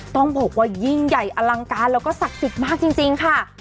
ต้องบอกว่ายิ่งใหญ่อลังการแล้วก็ศักดิ์สิทธิ์มากจริงค่ะ